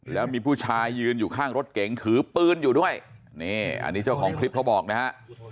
แล้วมีผู้ชายยืนอยู่ข้างรถเก๋งถือปืนอยู่ด้วยนี่อันนี้เจ้าของคลิปเขาบอกนะฮะ